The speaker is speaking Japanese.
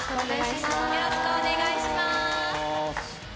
よろしくお願いします。